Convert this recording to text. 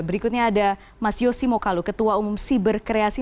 berikutnya ada mas yosi mokalu ketua umum siber kreasi